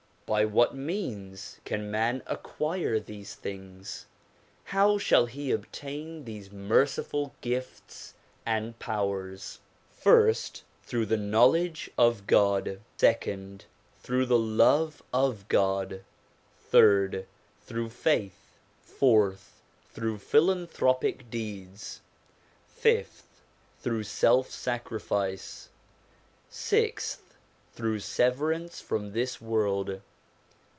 By what means can man acquire these things? How shall he obtain these merciful gifts and powers ? First, through the knowl edge of God, Second, through the love of God. Third, through faith. Fourth, through philanthropic deeds. Fifth, through self sacrifice. Sixth, through severance from this world.